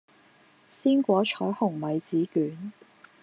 鮮果彩虹米紙卷